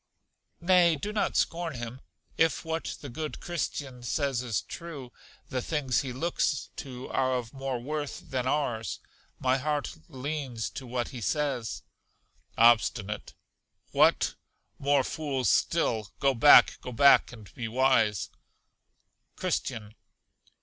Nay, do not scorn him; if what the good Christian says is true, the things he looks to are of more worth than ours: my heart leans to what he says. Obstinate. What! more fools still! Go back, go back, and be wise. Christian.